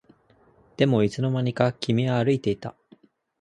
でもいつの間にか君は歩いていた